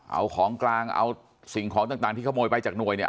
เอาของกลางเอาสิ่งของต่างที่ขโมยไปจากหน่วยเนี่ย